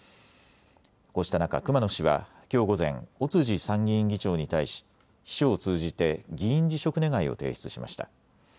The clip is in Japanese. こうした中、熊野氏はきょう午前、尾辻参議院議長に対し秘書を通じて議員辞職願を提出しました。